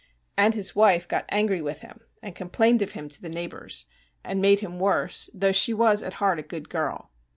And his wife got angry with him, and complained of him to the neighbours; and made him worse, though she was at heart a good girl.